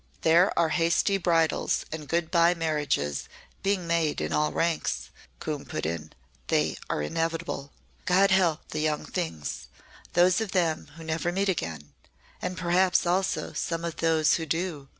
"There are hasty bridals and good bye marriages being made in all ranks," Coombe put in. "They are inevitable." "God help the young things those of them who never meet again and perhaps, also, some of those who do.